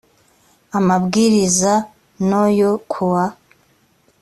amabwiriza no yo kuwa